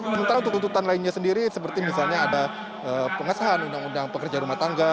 sementara untuk tuntutan lainnya sendiri seperti misalnya ada pengesahan undang undang pekerja rumah tangga